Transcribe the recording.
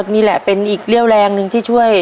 นี่แหละเป็นอีกเรี่ยวแรงหนึ่งที่ช่วย